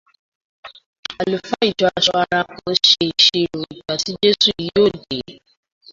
Àlùfáà ìjọ aṣọ ara kan ṣe ìṣirò ìgbà tí Jésù yóò dé.